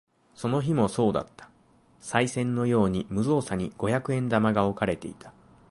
その日もそうだった。賽銭のように無造作に五百円玉が置かれていた。